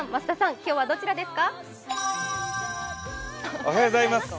今日はどちらですか？